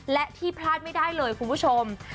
และที่พลาดไม่ได้เลยคุณผู้ชม